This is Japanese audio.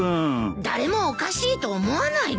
誰もおかしいと思わないの？